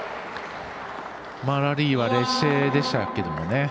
ラリーは劣勢でしたけれどもね。